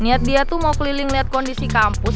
niat dia tuh mau keliling lihat kondisi kampus